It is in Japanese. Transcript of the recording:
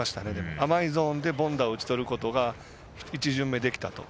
甘いゾーンで凡打を打ち取ることが１巡目できたと。